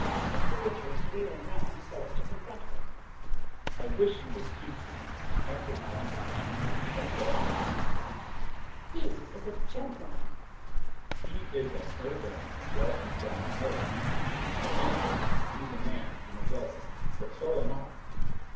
Mr. Richards, wheeling round so as to confront her: "I wish you would speak to me half as kindly as you do to that darky, Lucy." Miss Galbraith: "He is a gentleman!" Mr. Richards: "He is an urbane and well informed nobleman. At any rate, he's a man and a brother. But so am I."